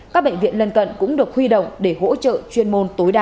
các bệnh viện lân cận cũng được huy động để hỗ trợ chuyên môn tối đa